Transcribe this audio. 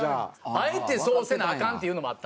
あえてそうせなアカンっていうのもあったんですよ。